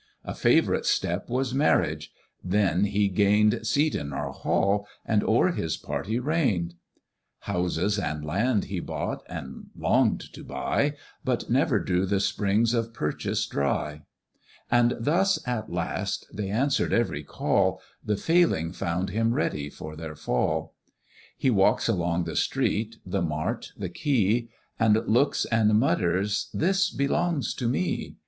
A favourite step was marriage: then he gain'd Seat in our Hall, and o'er his party reign'd; Houses and land he bought, and long'd to buy, But never drew the springs of purchase dry, And thus at last they answer'd every call, The failing found him ready for their fall: He walks along the street, the mart, the quay, And looks and mutters, "This belongs to me."